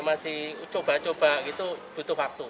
masih coba coba gitu butuh waktu